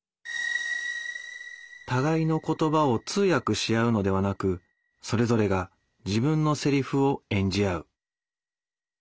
互いの言葉を通訳し合うのではなくそれぞれが自分のセリフを演じ合う。